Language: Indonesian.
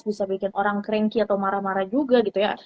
bisa membuat orang krengki atau marah marah juga